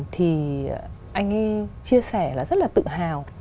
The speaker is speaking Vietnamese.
thì anh ấy chia sẻ là rất là tự hào